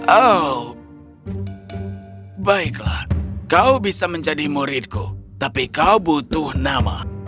oh baiklah kau bisa menjadi muridku tapi kau butuh nama